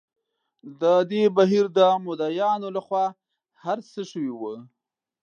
د دې بهیر د مدعییانو له خوا هر څه شوي وو.